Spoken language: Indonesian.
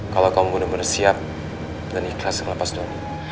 kalau kamu bener bener siap dan ikhlas ngelapas doang